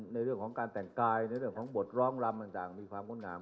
ในเรื่องของการแต่งกายในเรื่องของบทร้องรำต่างมีความงดงาม